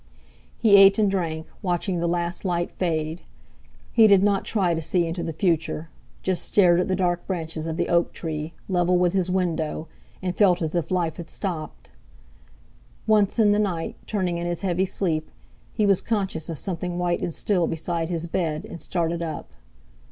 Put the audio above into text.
He ate and drank, watching the last light fade. He did not try to see into the future—just stared at the dark branches of the oak tree, level with his window, and felt as if life had stopped. Once in the night, turning in his heavy sleep, he was conscious of something white and still, beside his bed, and started up.